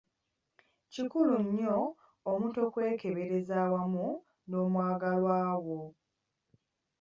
Kikulu nnyo omuntu okwekebereza awamu n’omwagalwa wo.